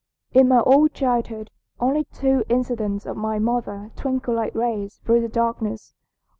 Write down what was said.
"In my own childhood only two incidents of my mother twinkle like rays through the darkness.